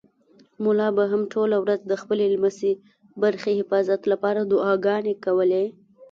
ملا به هم ټوله ورځ د خپلې لسمې برخې حفاظت لپاره دعاګانې کولې.